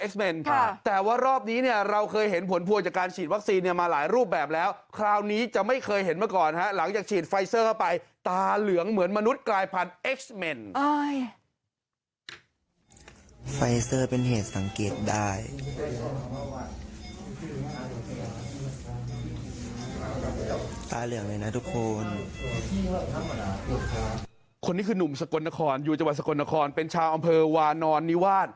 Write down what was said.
ซีอินคอนเป็นชาวอ่ามเมืองวานออนนิวาส